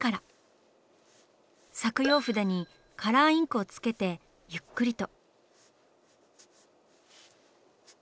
「削用筆」にカラーインクをつけてゆっくりと。